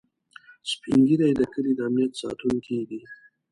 سپین ږیری د کلي د امنيت ساتونکي دي